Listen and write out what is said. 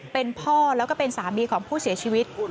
เป็นพ่อแล้วก็เป็นสามีของผู้เสียชีวิต